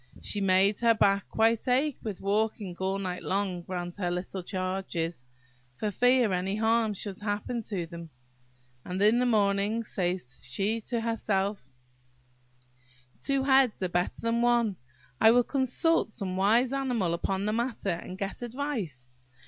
She made her back quite ache with walking all night long round her little charges, for fear any harm should happen to them; and in the morning says she to herself– "Two heads are better than one. I will consult some wise animal upon the matter, and get advice.